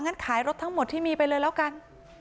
งั้นขายรถทั้งหมดที่มีไปเลยแล้วกัน